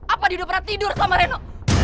apa dia udah pernah tidur sama reno